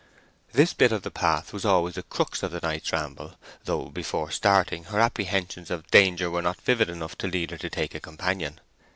This bit of the path was always the crux of the night's ramble, though, before starting, her apprehensions of danger were not vivid enough to lead her to take a companion.